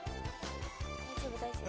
大丈夫大丈夫。